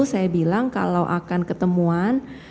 saya bilang kalau akan ketemuan